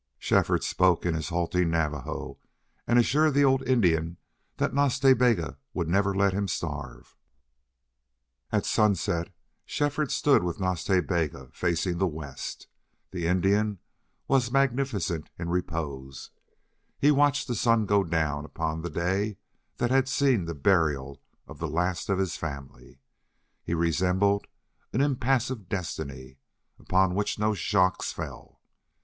Shefford spoke in his halting Navajo and assured the old Indian that Nas Ta Bega would never let him starve. At sunset Shefford stood with Nas Ta Bega facing the west. The Indian was magnificent in repose. He watched the sun go down upon the day that had seen the burial of the last of his family. He resembled an impassive destiny, upon which no shocks fell.